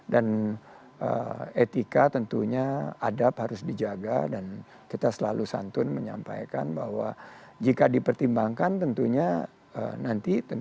dan etika tentunya adab harus dijaga dan kita selalu santun menyampaikan bahwa jika dipertimbangkan tentunya nanti